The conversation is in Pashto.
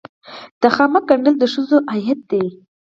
د خامک ګنډل د ښځو عاید دی